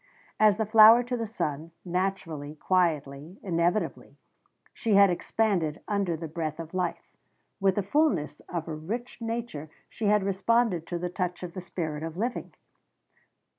As the flower to the sun, naturally, quietly, inevitably, she had expanded under the breath of life. With the fullness of a rich nature she had responded to the touch of the spirit of living.